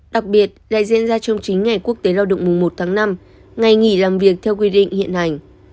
đặc biệt lại diễn ra trong chính ngày quốc tế lao động mùng một tháng năm ngày nghỉ làm việc theo quy định hiện hành